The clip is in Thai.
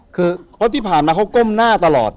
คือเพราะที่ผ่านมาเขาก้มหน้าตลอด